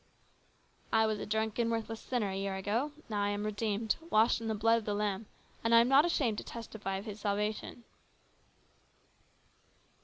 " I was a drunken, worthless sinner a year ago ; now I am redeemed, washed in the blood of the Lamb, and I am not ashamed to testify of His salvation."